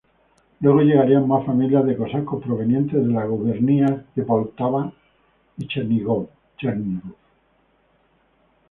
Luego llegarían más familias de cosacos provenientes de las gubernias de Poltava y Chernígov.